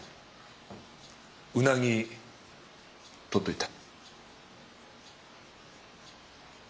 ウナギとっといた。